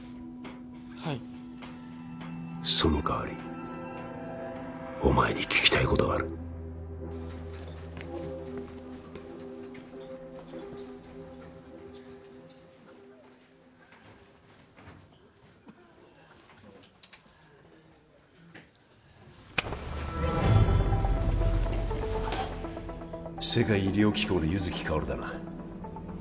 はいその代わりお前に聞きたいことがある世界医療機構の柚木薫だな